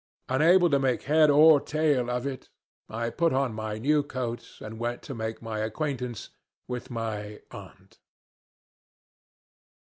Unable to make head or tail of it, I put on my new coat and went to make acquaintance with my "aunt."